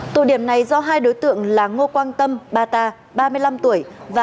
tụ điểm này do hai đối tượng là ngô quang tâm bà ta ba mươi năm tuổi